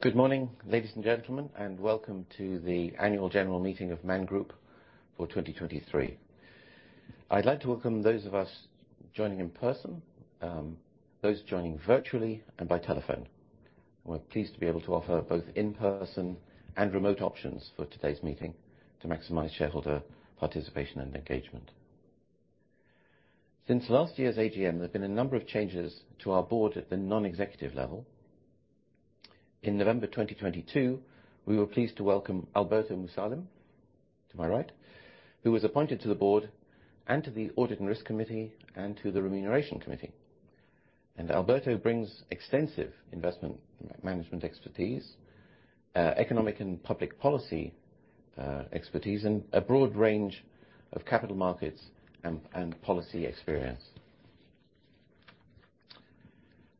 Good morning, ladies and gentlemen, welcome to the Annual General Meeting of Man Group for 2023. I'd like to welcome those of us joining in person, those joining virtually and by telephone. We're pleased to be able to offer both in-person and remote options for today's meeting to maximize shareholder participation and engagement. Since last year's AGM, there have been a number of changes to our board at the non-executive level. In November 2022, we were pleased to welcome Alberto Musalem, to my right, who was appointed to the board and to the audit and risk committee, and to the remuneration committee. Alberto brings extensive investment management expertise, economic and public policy expertise, and a broad range of capital markets and policy experience.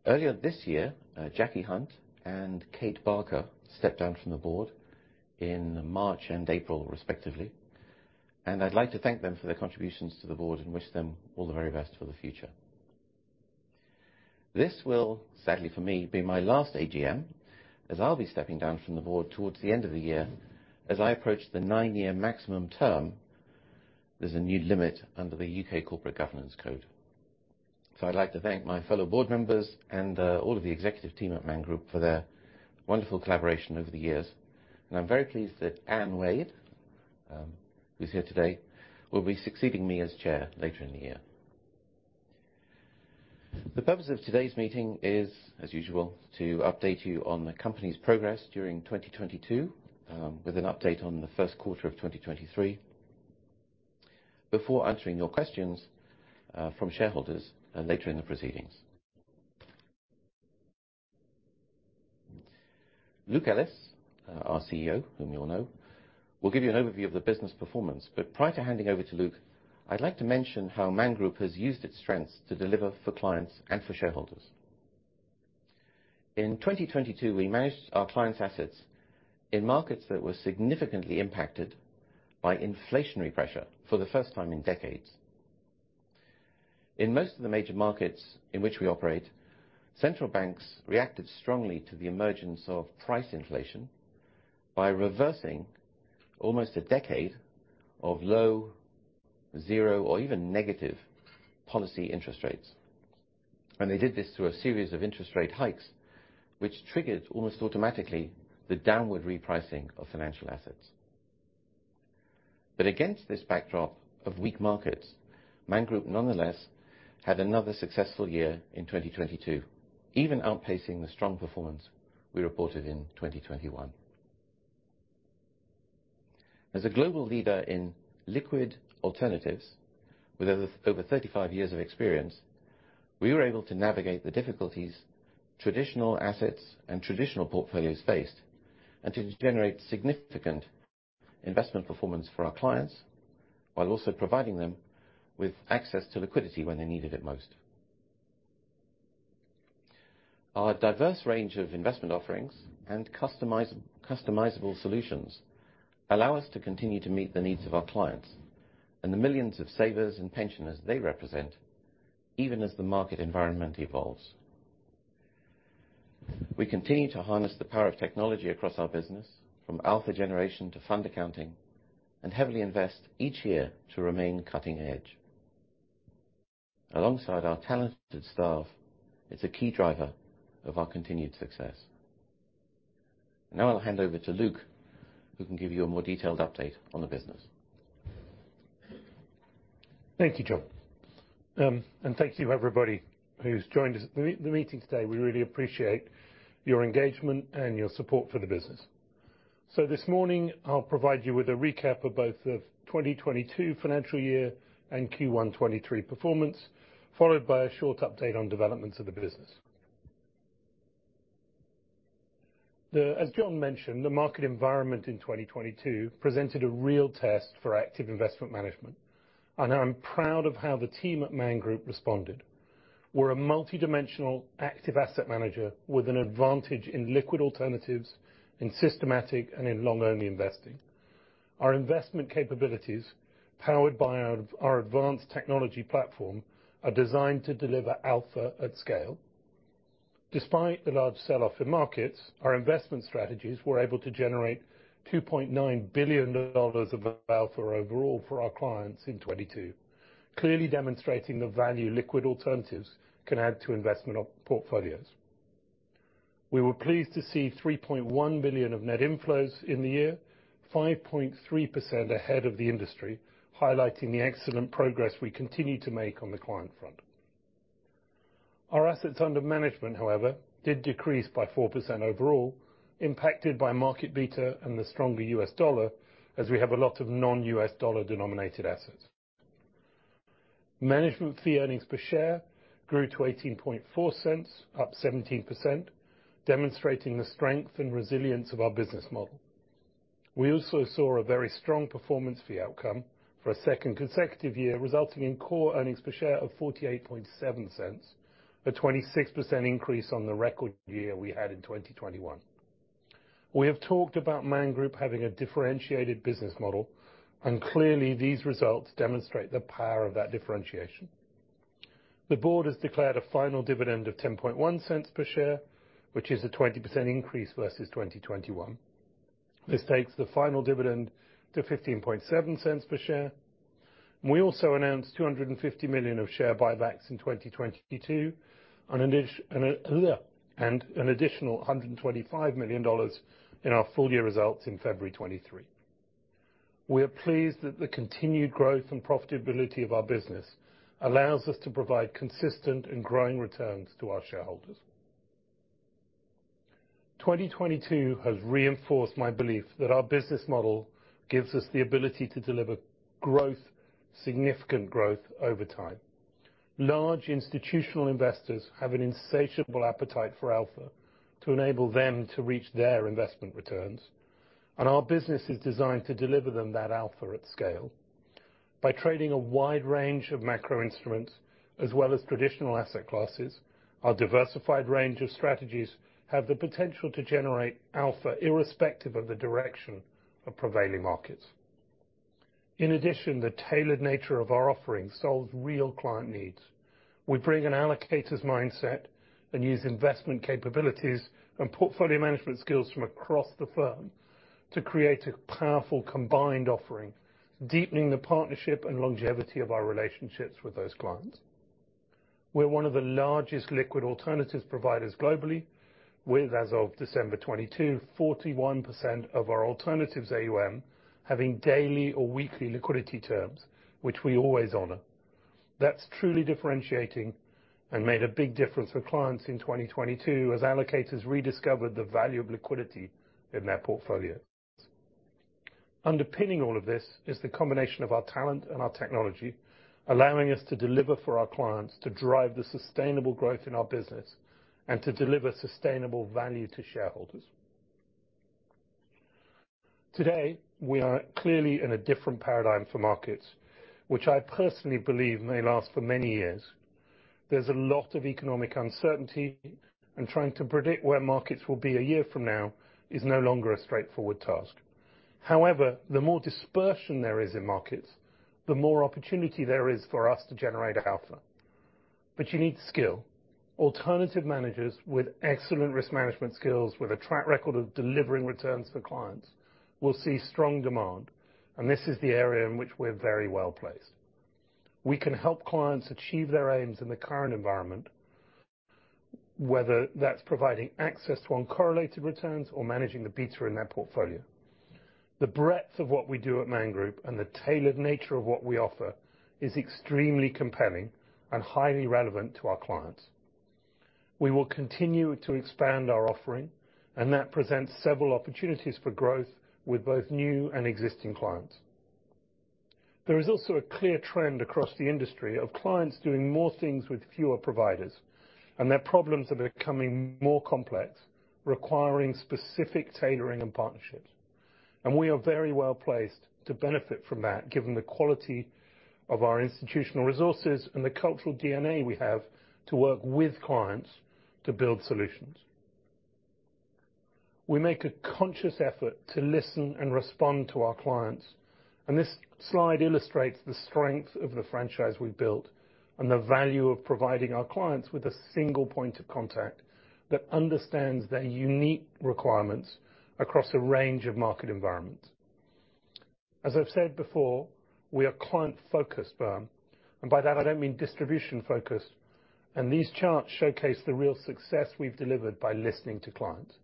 Earlier this year, Jackie Hunt and Kate Barker stepped down from the board in March and April, respectively. I'd like to thank them for their contributions to the board and wish them all the very best for the future. This will, sadly for me, be my last AGM as I'll be stepping down from the board towards the end of the year. As I approach the nine-year maximum term, there's a new limit under the U.K. Corporate Governance Code. I'd like to thank my fellow board members and all of the executive team at Man Group for their wonderful collaboration over the years. I'm very pleased that Anne Wade, who's here today, will be succeeding me as Chair later in the year. The purpose of today's meeting is, as usual, to update you on the company's progress during 2022, with an update on the first quarter of 2023. Before answering your questions from shareholders later in the proceedings. Luke Ellis, our CEO, whom you all know, will give you an overview of the business performance. Prior to handing over to Luke, I'd like to mention how Man Group has used its strengths to deliver for clients and for shareholders. In 2022, we managed our clients' assets in markets that were significantly impacted by inflationary pressure for the first time in decades. In most of the major markets in which we operate, central banks reacted strongly to the emergence of price inflation by reversing almost a decade of low, zero or even negative policy interest rates. They did this through a series of interest rate hikes, which triggered almost automatically the downward repricing of financial assets. Against this backdrop of weak markets, Man Group nonetheless had another successful year in 2022, even outpacing the strong performance we reported in 2021. As a global leader in liquid alternatives with over 35 years of experience, we were able to navigate the difficulties traditional assets and traditional portfolios faced, and to generate significant investment performance for our clients, while also providing them with access to liquidity when they needed it most. Our diverse range of investment offerings and customizable solutions allow us to continue to meet the needs of our clients and the millions of savers and pensioners they represent, even as the market environment evolves. We continue to harness the power of technology across our business, from alpha generation to fund accounting, and heavily invest each year to remain cutting-edge. Alongside our talented staff, it's a key driver of our continued success. Now I'll hand over to Luke, who can give you a more detailed update on the business. Thank you, John. Thank you everybody who's joined us at the meeting today. We really appreciate your engagement and your support for the business. This morning I'll provide you with a recap of both the 2022 financial year and Q1 2023 performance, followed by a short update on developments of the business. As John mentioned, the market environment in 2022 presented a real test for active investment management, and I'm proud of how the team at Man Group responded. We're a multidimensional active asset manager with an advantage in liquid alternatives, in systematic and in long-only investing. Our investment capabilities, powered by our advanced technology platform, are designed to deliver alpha at scale. Despite the large sell-off in markets, our investment strategies were able to generate $2.9 billion of alpha overall for our clients in 2022. Clearly demonstrating the value liquid alternatives can add to investment portfolios. We were pleased to see $3.1 billion of net inflows in the year, 5.3% ahead of the industry, highlighting the excellent progress we continue to make on the client front. Our assets under management, however, did decrease by 4% overall, impacted by market beta and the stronger U.S. dollar as we have a lot of non-U.S. dollar denominated assets. Management fee earnings per share grew to $0.184, up 17%, demonstrating the strength and resilience of our business model. We also saw a very strong performance fee outcome for a second consecutive year, resulting in core earnings per share of $0.487, a 26% increase on the record year we had in 2021. We have talked about Man Group having a differentiated business model. Clearly these results demonstrate the power of that differentiation. The board has declared a final dividend of $0.101 per share, which is a 20% increase versus 2021. This takes the final dividend to $0.157 per share. We also announced $250 million of share buybacks in 2022, and an additional $125 million in our full year results in February 2023. We are pleased that the continued growth and profitability of our business allows us to provide consistent and growing returns to our shareholders. 2022 has reinforced my belief that our business model gives us the ability to deliver growth, significant growth over time. Large institutional investors have an insatiable appetite for alpha to enable them to reach their investment returns, and our business is designed to deliver them that alpha at scale. By trading a wide range of macro instruments as well as traditional asset classes, our diversified range of strategies have the potential to generate alpha irrespective of the direction of prevailing markets. In addition, the tailored nature of our offering solves real client needs. We bring an allocator's mindset and use investment capabilities and portfolio management skills from across the firm to create a powerful combined offering, deepening the partnership and longevity of our relationships with those clients. We're one of the largest liquid alternatives providers globally with, as of December 2022, 41% of our alternatives AUM having daily or weekly liquidity terms, which we always honor. That's truly differentiating and made a big difference for clients in 2022 as allocators rediscovered the value of liquidity in their portfolios. Underpinning all of this is the combination of our talent and our technology, allowing us to deliver for our clients to drive the sustainable growth in our business and to deliver sustainable value to shareholders. Today, we are clearly in a different paradigm for markets, which I personally believe may last for many years. There's a lot of economic uncertainty, and trying to predict where markets will be a year from now is no longer a straightforward task. However, the more dispersion there is in markets, the more opportunity there is for us to generate alpha. You need skill. Alternative managers with excellent risk management skills with a track record of delivering returns to clients will see strong demand. This is the area in which we're very well-placed. We can help clients achieve their aims in the current environment, whether that's providing access to uncorrelated returns or managing the beta in their portfolio. The breadth of what we do at Man Group and the tailored nature of what we offer is extremely compelling and highly relevant to our clients. We will continue to expand our offering. That presents several opportunities for growth with both new and existing clients. There is also a clear trend across the industry of clients doing more things with fewer providers. Their problems are becoming more complex, requiring specific tailoring and partnerships. We are very well-placed to benefit from that, given the quality of our institutional resources and the cultural DNA we have to work with clients to build solutions. We make a conscious effort to listen and respond to our clients. This slide illustrates the strength of the franchise we've built and the value of providing our clients with a single point of contact that understands their unique requirements across a range of market environments. As I've said before, we are a client-focused firm. By that, I don't mean distribution-focused. These charts showcase the real success we've delivered by listening to clients.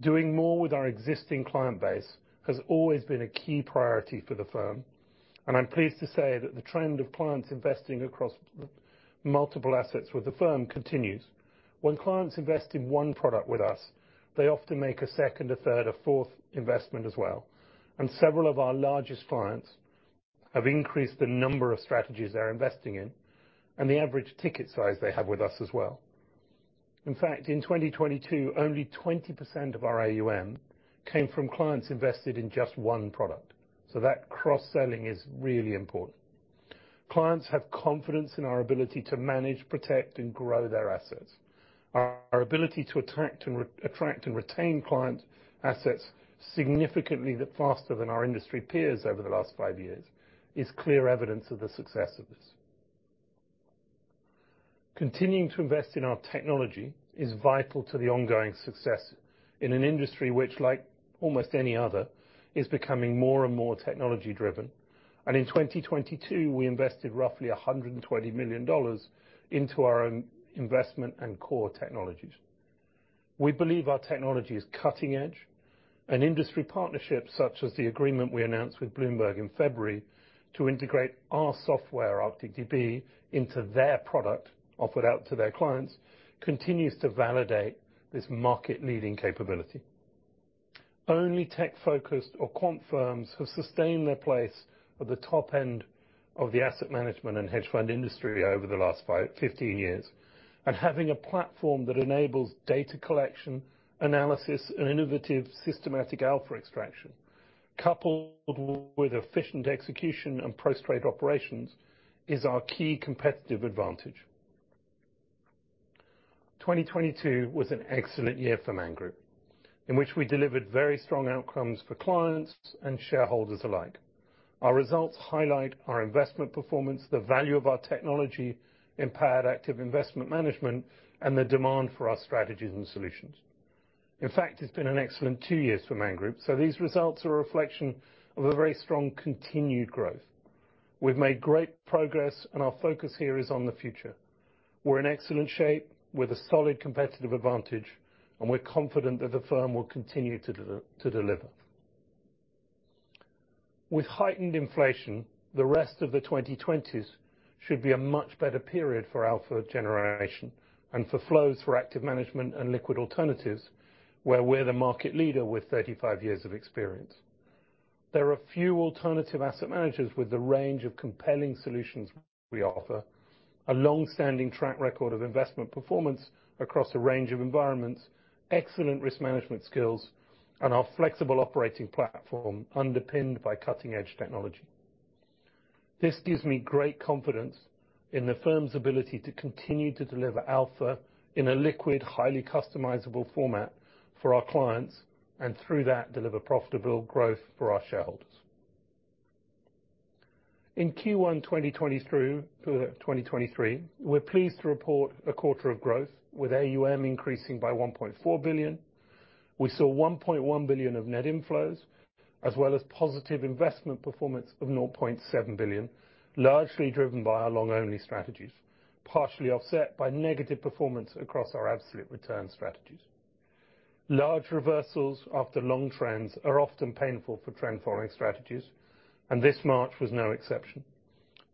Doing more with our existing client base has always been a key priority for the firm, and I'm pleased to say that the trend of clients investing across multiple assets with the firm continues. When clients invest in one product with us, they often make a second, a third, a fourth investment as well. Several of our largest clients have increased the number of strategies they're investing in and the average ticket size they have with us as well. In fact, in 2022, only 20% of our AUM came from clients invested in just one product. That cross-selling is really important. Clients have confidence in our ability to manage, protect, and grow their assets. Our ability to attract and re-attract and retain client assets significantly faster than our industry peers over the last five years is clear evidence of the success of this. Continuing to invest in our technology is vital to the ongoing success in an industry which, like almost any other, is becoming more and more technology-driven. In 2022, we invested roughly $120 million into our investment and core technologies. We believe our technology is cutting edge. An industry partnership, such as the agreement we announced with Bloomberg in February to integrate our software, ArcticDB, into their product, offered out to their clients, continues to validate this market-leading capability. Only tech-focused or quant firms have sustained their place at the top end of the asset management and hedge fund industry over the last 15 years. Having a platform that enables data collection, analysis, and innovative systematic alpha extraction, coupled with efficient execution and post-trade operations, is our key competitive advantage. 2022 was an excellent year for Man Group, in which we delivered very strong outcomes for clients and shareholders alike. Our results highlight our investment performance, the value of our technology, empowered active investment management, and the demand for our strategies and solutions. In fact, it's been an excellent two years for Man Group. These results are a reflection of a very strong continued growth. We've made great progress and our focus here is on the future. We're in excellent shape with a solid competitive advantage, and we're confident that the firm will continue to deliver. With heightened inflation, the rest of the 2020s should be a much better period for alpha generation and for flows for active management and liquid alternatives, where we're the market leader with 35 years of experience. There are few alternative asset managers with the range of compelling solutions we offer, a long-standing track record of investment performance across a range of environments, excellent risk management skills, and our flexible operating platform underpinned by cutting-edge technology. This gives me great confidence in the firm's ability to continue to deliver alpha in a liquid, highly customizable format for our clients, and through that, deliver profitable growth for our shareholders. In Q1 2020-2023, we're pleased to report a quarter of growth with AUM increasing by $1.4 billion. We saw $1.1 billion of net inflows, as well as positive investment performance of $0.7 billion, largely driven by our long-only strategies, partially offset by negative performance across our absolute return strategies. Large reversals after long trends are often painful for trend following strategies, and this March was no exception.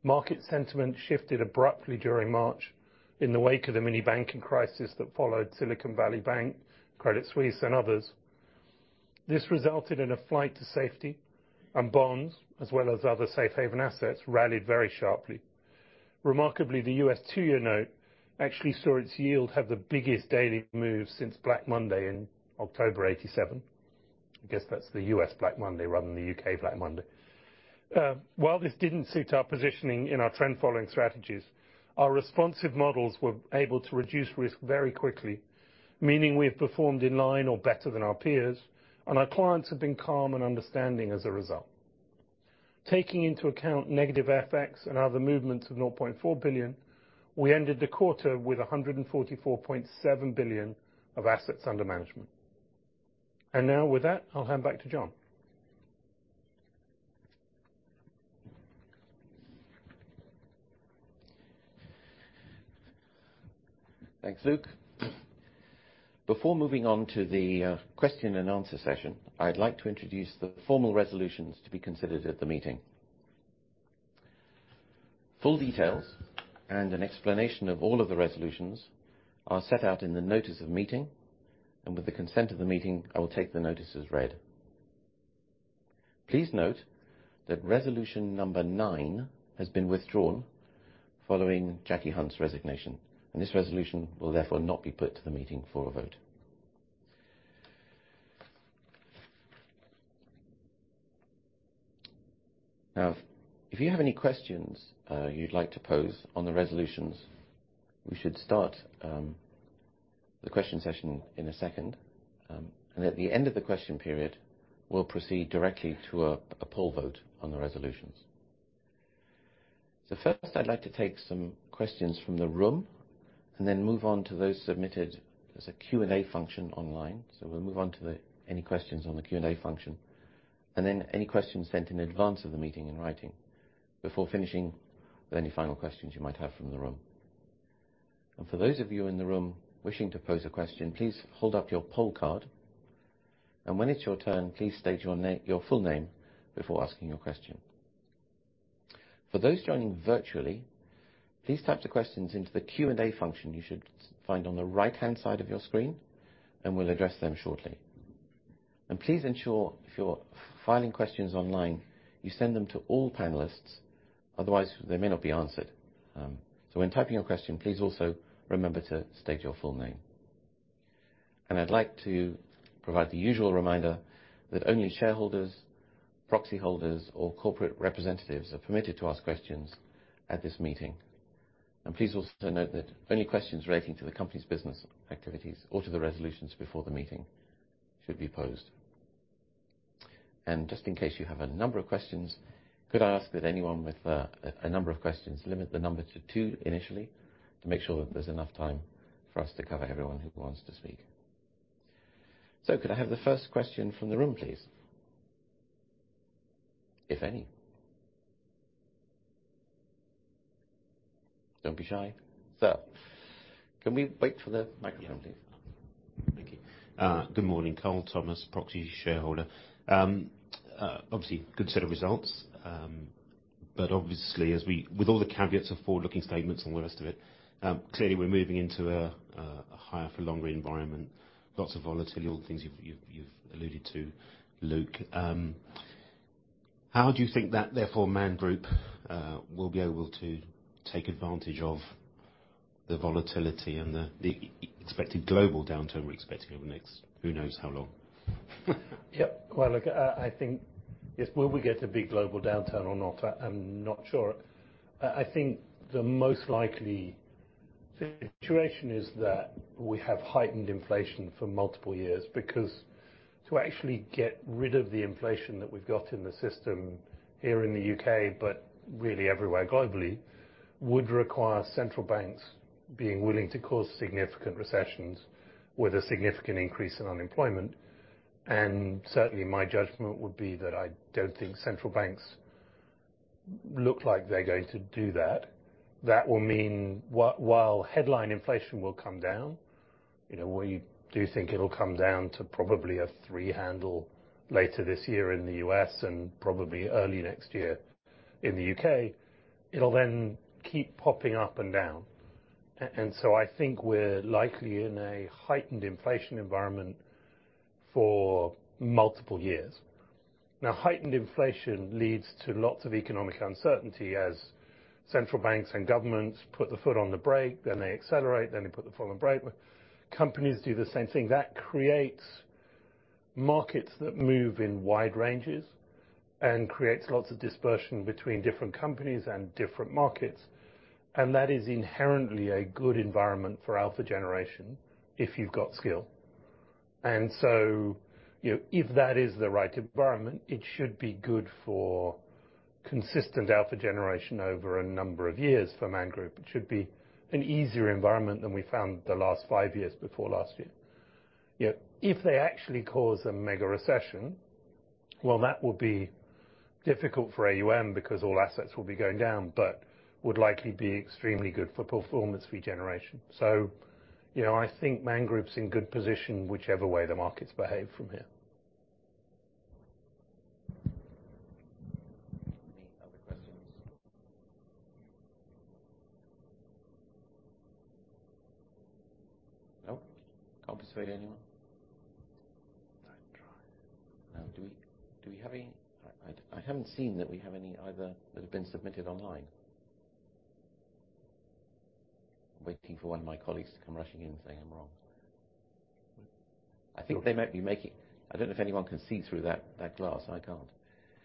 Market sentiment shifted abruptly during March in the wake of the mini banking crisis that followed Silicon Valley Bank, Credit Suisse and others. This resulted in a flight to safety and bonds, as well as other safe haven assets rallied very sharply. Remarkably, the U.S. two-year note actually saw its yield have the biggest daily move since Black Monday in October 87. I guess that's the U.S. Black Monday rather than the U.K. Black Monday. While this didn't suit our positioning in our trend following strategies, our responsive models were able to reduce risk very quickly, meaning we have performed in line or better than our peers. Our clients have been calm and understanding as a result. Taking into account negative FX and other movements of 0.4 billion, we ended the quarter with 144.7 billion of assets under management. Now with that, I'll hand back to John. Thanks, Luke. Before moving on to the question and answer session, I'd like to introduce the formal resolutions to be considered at the meeting. Full details and an explanation of all of the resolutions are set out in the notice of meeting, and with the consent of the meeting, I will take the notices read. Please note that resolution number nine has been withdrawn following Jackie Hunt's resignation, and this resolution will therefore not be put to the meeting for a vote. If you have any questions you'd like to pose on the resolutions, we should start the question session in a second. At the end of the question period, we'll proceed directly to a poll vote on the resolutions. First, I'd like to take some questions from the room and then move on to those submitted. There's a Q&A function online, we'll move on to any questions on the Q&A function, and then any questions sent in advance of the meeting in writing before finishing with any final questions you might have from the room. For those of you in the room wishing to pose a question, please hold up your poll card, and when it's your turn, please state your full name before asking your question. For those joining virtually, please type the questions into the Q&A function you should find on the right-hand side of your screen, and we'll address them shortly. Please ensure if you're filing questions online, you send them to all panelists, otherwise they may not be answered. When typing your question, please also remember to state your full name. I'd like to provide the usual reminder that only shareholders, proxy holders or corporate representatives are permitted to ask questions at this meeting. Please also note that only questions relating to the company's business activities or to the resolutions before the meeting should be posed. Just in case you have a number of questions, could I ask that anyone with a number of questions limit the number to 2 initially to make sure that there's enough time for us to cover everyone who wants to speak? Could I have the first question from the room, please? If any. Don't be shy. Sir. Can we wait for the microphone, please? Yeah. Thank you. Good morning. Carl Thomas, proxy shareholder. Obviously, good set of results. Obviously, as with all the caveats of forward-looking statements and the rest of it, clearly, we're moving into a higher for longer environment, lots of volatility, all the things you've alluded to, Luke. How do you think that, therefore, Man Group will be able to take advantage of the volatility and the expected global downturn we're expecting over the next who knows how long? Yeah. Well, look, I think-- Yes. Will we get a big global downturn or not? I'm not sure. I think the most likely situation is that we have heightened inflation for multiple years because to actually get rid of the inflation that we've got in the system here in the U.K., but really everywhere globally, would require central banks being willing to cause significant recessions with a significant increase in unemployment. Certainly, my judgment would be that I don't think central banks look like they're going to do that. That will mean while headline inflation will come down, you know, we do think it'll come down to probably a three handle later this year in the U.S. and probably early next year in the U.K. It'll keep popping up and down. I think we're likely in a heightened inflation environment for multiple years now. Heightened inflation leads to lots of economic uncertainty as central banks and governments put the foot on the brake, then they accelerate, then they put the foot on the brake. Companies do the same thing. Creates markets that move in wide ranges and creates lots of dispersion between different companies and different markets. That is inherently a good environment for alpha generation if you've got skill. You know, if that is the right environment, it should be good for consistent alpha generation over a number of years. For Man Group, it should be an easier environment than we found the last five years before last year. If they actually cause a mega recession, well, that will be difficult for AUM because all assets will be going down, but would likely be extremely good for performance fee generation. you know, I think Man Group's in good position whichever way the markets behave from here. Any other questions? No? Can't persuade anyone? I try. Do we have any? I haven't seen that we have any either that have been submitted online. I'm waiting for one of my colleagues to come rushing in saying I'm wrong. I think they might be making. I don't know if anyone can see through that glass. I can't.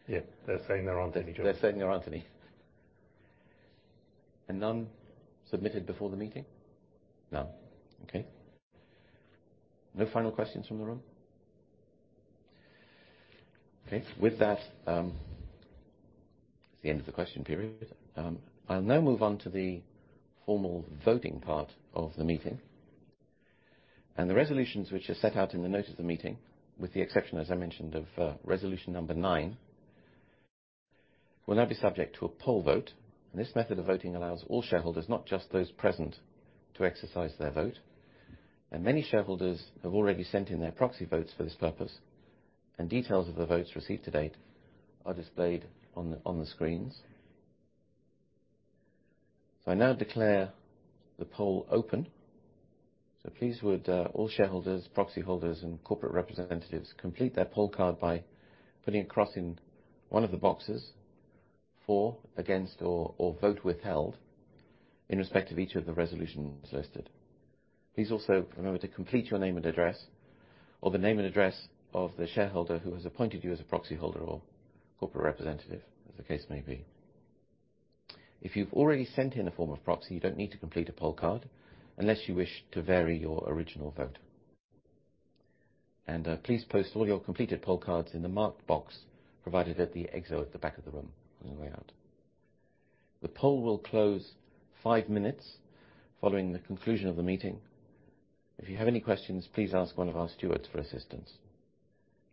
Yeah. They're saying there aren't any, John. They're saying there aren't any. None submitted before the meeting? None. Okay. No final questions from the room? Okay, with that, it's the end of the question period. I'll now move on to the formal voting part of the meeting. The resolutions which are set out in the notice of the meeting, with the exception, as I mentioned, of resolution number nine, will now be subject to a poll vote, and this method of voting allows all shareholders, not just those present, to exercise their vote. Many shareholders have already sent in their proxy votes for this purpose, and details of the votes received to date are displayed on the screens. I now declare the poll open. Please would all shareholders, proxy holders, and corporate representatives complete their poll card by putting a cross in one of the boxes for, against, or vote withheld in respect of each of the resolutions listed. Please also remember to complete your name and address, or the name and address of the shareholder who has appointed you as a proxy holder or corporate representative as the case may be. If you've already sent in a form of proxy, you don't need to complete a poll card unless you wish to vary your original vote. Please post all your completed poll cards in the marked box provided at the exit at the back of the room on your way out. The poll will close five minutes following the conclusion of the meeting. If you have any questions, please ask one of our stewards for assistance.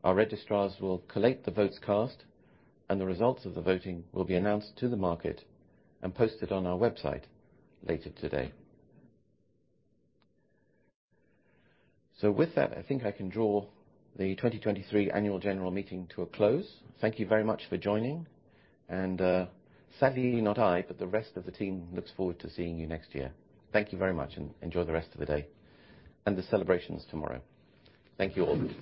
Our registrars will collate the votes cast, and the results of the voting will be announced to the market and posted on our website later today. With that, I think I can draw the 2023 Annual General Meeting to a close. Thank you very much for joining, and sadly not I, but the rest of the team looks forward to seeing you next year. Thank you very much and enjoy the rest of the day and the celebrations tomorrow. Thank you all.